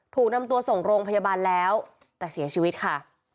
ถูกนำตัวส่งโรงพยาบาลแล้วแต่เสียชีวิตค่ะ